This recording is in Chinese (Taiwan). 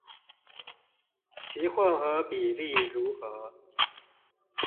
其混合比例如何？